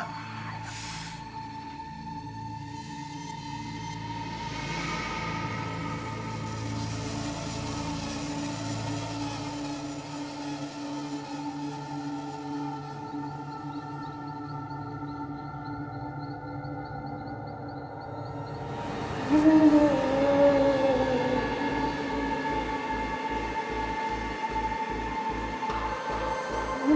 คุณพวกมึง